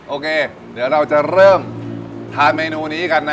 โอเคเดี๋ยวเราจะเริ่มทานเมนูนี้กันนะ